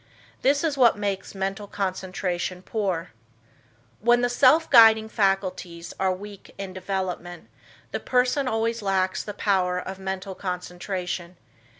This is what makes mental concentration poor. When the self guiding faculties are weak in development, the person always lacks the power of mental concentration.